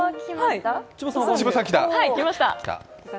来ました！